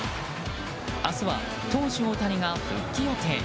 明日は投手・大谷が復帰予定。